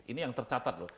ini yang tercatat loh